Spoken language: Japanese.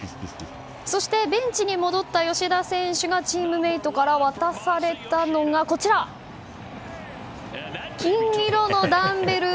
そしてベンチに戻った吉田選手がチームメートから渡されたのが金色のダンベル。